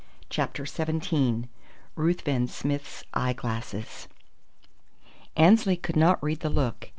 CHAPTER XVII RUTHVEN SMITH'S EYEGLASSES Annesley could not read the look.